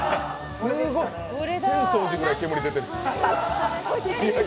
すごい、浅草寺ぐらい煙が出てる。